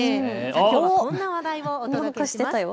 きょうはこんな話題をお届けします。